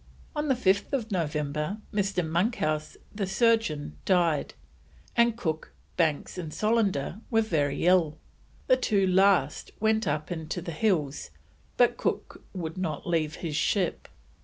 On 5th November Mr. Monkhouse, the surgeon, died, and Cook, Banks, and Solander were very ill. The two last went up into the hills, but Cook would not leave his ship.